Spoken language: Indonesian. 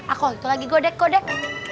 aku itu lagi godek godek